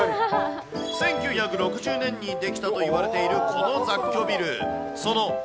１９６０年に出来たといわれているこの雑居ビル。